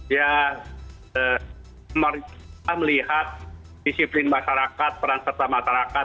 ya kita melihat disiplin masyarakat perang pertama masyarakat